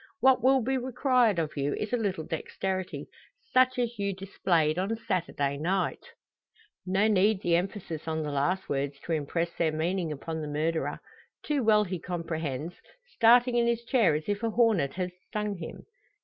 What will be required of you is a little dexterity, such as you displayed on Saturday night." No need the emphasis on the last words to impress their meaning upon the murderer. Too well he comprehends, starting in his chair as if a hornet had stung him.